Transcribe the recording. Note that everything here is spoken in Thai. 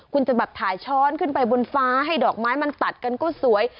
คุณจะแบบถ่ายช้อนขึ้นไปบนฟ้าให้ดอกไม้มันตัดกันก็สวย